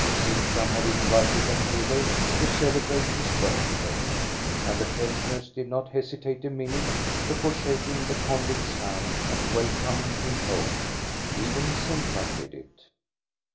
Sintram had invited them thither to celebrate his birthday. And the pensioners did not hesitate a minute before shaking the convict's hand and welcoming him home. Even Sintram did it.